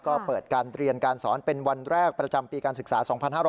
ก็เปิดการเรียนการสอนเป็นวันแรกประจำปีการศึกษา๒๕๕๙